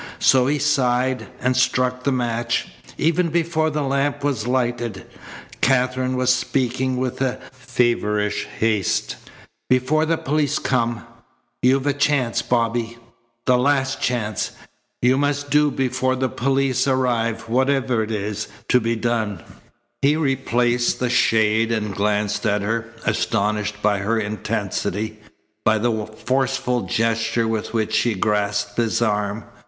So he sighed and struck the match. Even before the lamp was lighted Katherine was speaking with a feverish haste: "Before the police come you've a chance, Bobby the last chance. You must do before the police arrive whatever is to be done." He replaced the shade and glanced at her, astonished by her intensity, by the forceful gesture with which she grasped his arm.